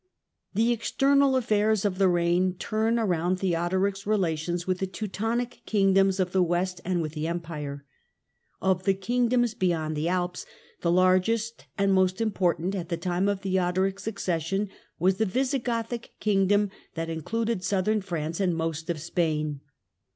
The external affairs of the reign turn around Theo doric's relations with the Teutonic kingdoms of the West and with the Empire. Of the kingdoms beyond the Alps, the largest and most important, at the time of Theo doric's accession, was the Visigothic kingdom that in cluded Southern France and most of Spain.